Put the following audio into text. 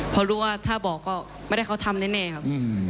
เพราะรู้ว่าถ้าบอกก็ไม่ได้เขาทำแน่ครับ